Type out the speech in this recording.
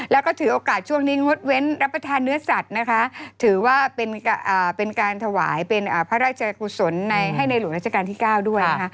แล้วก็ถือโอกาสช่วงนี้งดเว้นรับประทานเนื้อสัตว์นะคะถือว่าเป็นการถวายเป็นพระราชกุศลให้ในหลวงราชการที่๙ด้วยนะคะ